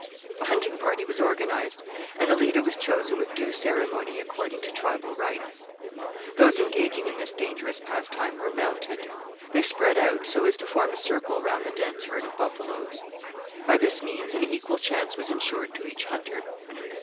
A hunting party was organized and a leader was chosen with due ceremony according to tribal rites. Those engaging in this dangerous pastime were mounted. They spread out so as to form a circle round the dense herd of buffaloes. By this means an equal chance was ensured to each hunter.